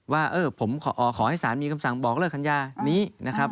ว่าผมขอให้ศาลมีคำสั่งบอกเลิกสัญญานี้นะครับ